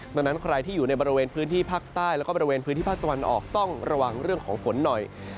ดังนั้นใครที่อยู่ในบริเวณพื้นที่ภาคใต้แล้วก็บริเวณพื้นที่ภาคตะวันออกต้องระวังเรื่องของฝนหน่อย